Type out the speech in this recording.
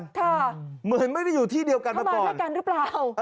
ค่ะทำไมไม่ได้อยู่ที่เดียวกันหรือเปล่า